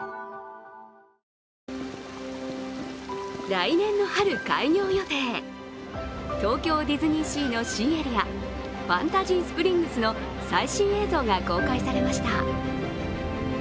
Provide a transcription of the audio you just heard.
来年の春開業予定、東京ディズニーシーの新エリア、ファンタジースプリングスの最新映像が公開されました。